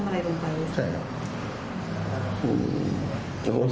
พี่ชายก็พูดว่าไงพี่ชายก็พูดว่าไง